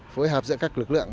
phối hợp giữa các lực lượng